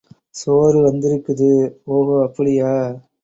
சோறு வந்திருக்குது. ஓகோ, அப்படியா!